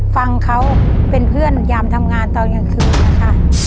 ฟังเขาเป็นเพื่อนยามทำงานตอนกลางคืนนะคะ